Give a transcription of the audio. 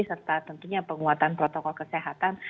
serta tentunya penguatan protokol kesehatan